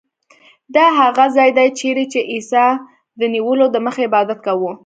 دا هغه ځای دی چیرې چې عیسی د نیولو دمخه عبادت کاوه.